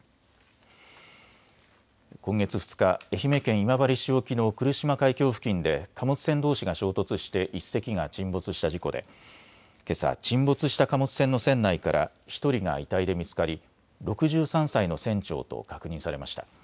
今月２日、愛媛県今治市沖の来島海峡付近で貨物船どうしが衝突して１隻が沈没した事故でけさ、沈没した貨物船の船内から１人が遺体で見つかり６３歳の船長と確認されました。